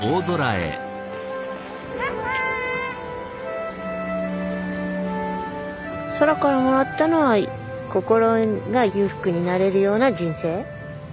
空からもらったのは心が裕福になれるような人生。